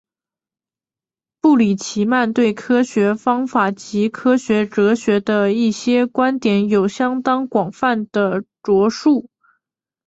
布里奇曼对科学方法及科学哲学的一些观点有相当广泛的着述。